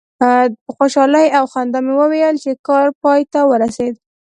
په خوشحالي او خندا مې وویل چې کار پای ته ورسید.